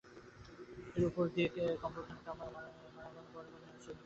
এর ওপর দিয়ে কারখানায় মালামাল আনা নেওয়া করছেন শ্রমিকেরা।